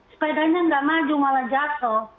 sepedanya nggak maju malah jatuh